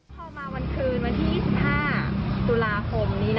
พอมาวันคืนวันที่๒๕ตุลาคมนี้